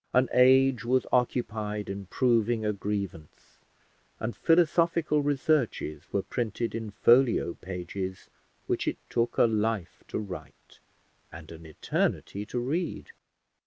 An age was occupied in proving a grievance, and philosophical researches were printed in folio pages, which it took a life to write, and an eternity to read.